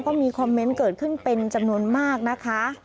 ก็มีคอมเมนต์เกิดขึ้นเป็นจำนวนมากนะคะ